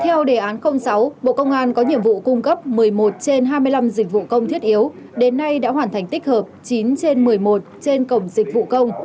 theo đề án sáu bộ công an có nhiệm vụ cung cấp một mươi một trên hai mươi năm dịch vụ công thiết yếu đến nay đã hoàn thành tích hợp chín trên một mươi một trên cổng dịch vụ công